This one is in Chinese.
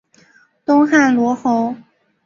东汉罗侯。